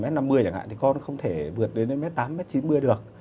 mẹ cao một m năm mươi chẳng hạn thì con không thể vượt đến một m tám mươi một m chín mươi được